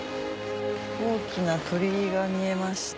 大きな鳥居が見えました。